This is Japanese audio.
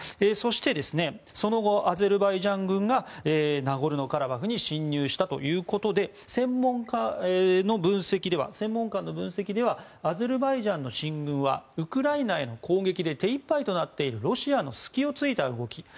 そして、その後アゼルバイジャン軍がナゴルノカラバフに侵入したということで専門官の分析ではアゼルバイジャンの進軍はウクライナへの攻撃で手いっぱいとなっているロシアの隙を突いた動き